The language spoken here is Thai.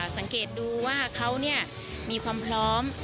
สังเกตดูว่าเขามีความพร้อม